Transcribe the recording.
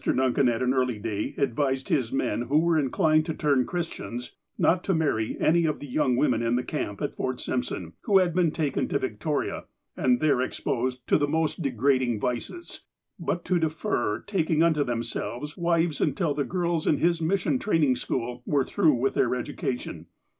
Duncan, at an early day, advised his men, who were inclined to turn Christians, not to marry any of the young women in the camp at Fort Simpson, who had been taken to Victoria, and there exposed to the most de grading vices, but to defer taking unto themselves wives until the girls in his mission training school were through with their education.